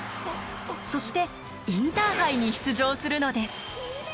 そしてインターハイに出場するのです。